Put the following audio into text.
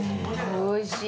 おいしい。